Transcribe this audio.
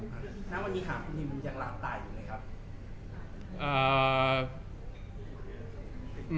น้าวันนี้ถามคุณอย่างหลังตายอยู่ไหนครับ